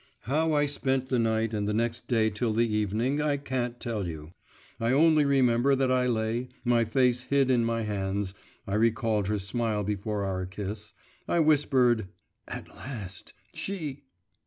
How I spent the night and the next day till the evening I can't tell you. I only remember that I lay, my face hid in my hands, I recalled her smile before our kiss, I whispered 'At last, she.